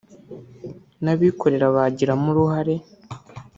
n’abikorera bagiramo uruhare